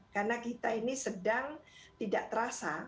karena kita ini sedang tidak terasa